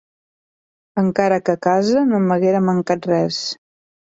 Encara que a casa no m'haguera mancat res.